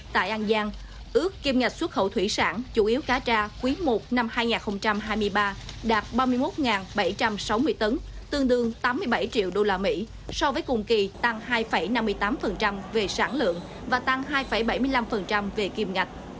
tại an giang ước kiêm ngạch xuất khẩu thủy sản chủ yếu cá tra quý i năm hai nghìn hai mươi ba đạt ba mươi một bảy trăm sáu mươi tấn tương đương tám mươi bảy triệu usd so với cùng kỳ tăng hai năm mươi tám về sản lượng và tăng hai bảy mươi năm về kim ngạch